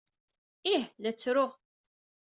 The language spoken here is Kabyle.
Ih, la ttruɣ.